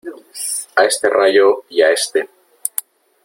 a este Rayo y a este ...